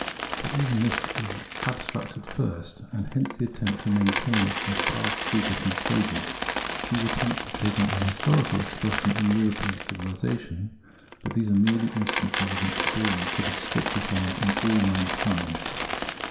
But even this is abstract at first, and hence the attempt to maintain it must pass through different stages. These attempts have taken historical expression in European civilisation, but these are merely instances of an experience that is strictly found in all mankind.